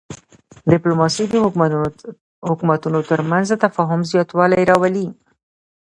ډیپلوماسي د حکومتونو ترمنځ د تفاهم زیاتوالی راولي.